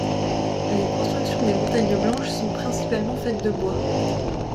Les constructions des montagnes Blanches sont principalement faites de bois.